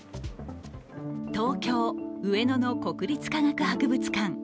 東京・上野の国立科学博物館。